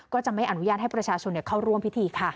ก็จะไม่อนุญาตให้ประชาชนเข้าร่วมพิธีค่ะ